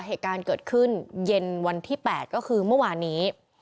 เหตุการณ์เกิดขึ้นเย็นวันที่๘ก็คือเมื่อวานนี้